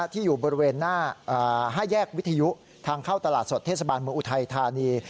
ที่อยู่บริเวณหน้า๕แยกวิทยุทางเข้าตลาดสดเทศบาลเมืองอุทัยธานี